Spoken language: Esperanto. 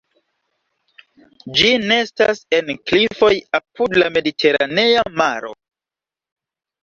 Ĝi nestas en klifoj apud la mediteranea maro.